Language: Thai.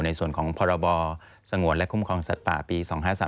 ในส่วนของพรบสงวนและคุ้มครองสัตว์ป่าปี๒๕๓